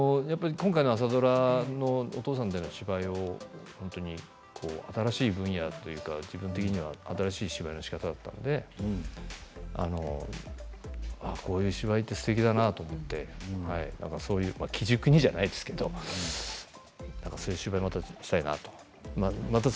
今回の朝ドラのお父さんでの芝居を本当に、楽しい分野というか新しい芝居のしかたというかこういう芝居ってすてきだなと思って基軸にじゃないですけどそういう芝居をしたいなと思っています。